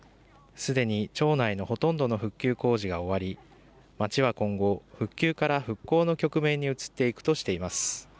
すでに町内のほとんどの復旧工事が終わり、町は今後、復旧から復興の局面に移っていくとしています。